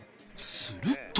すると。